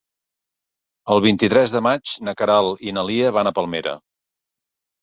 El vint-i-tres de maig na Queralt i na Lia van a Palmera.